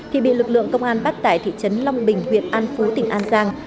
thì bị lực lượng công an bắt tại thị trấn long bình huyện an phú tỉnh an giang